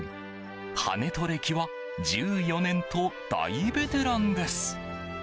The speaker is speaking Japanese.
跳ね人歴は１４年と大ベテランです。